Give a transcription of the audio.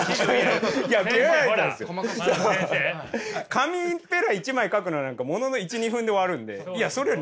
紙ペラ１枚描くのなんかものの１２分で終わるんでいやそれより内容を。